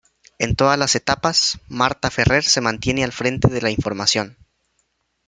En todas las etapas, Marta Ferrer se mantiene al frente de la información.